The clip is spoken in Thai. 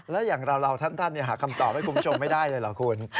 แล้วอย่างเราท่านหาคำตอบให้คุณผู้ชมไม่ได้เลยเหรอคุณ